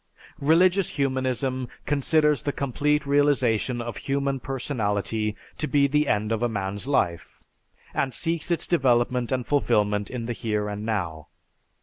"Religious humanism considers the complete realization of human personality to be the end of a man's life, and seeks its development and fulfilment in the here and now.